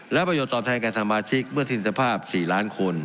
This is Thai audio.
และประโยชนตอบแทนกับสมาชิกเมื่อทินสภาพ๔ล้านคน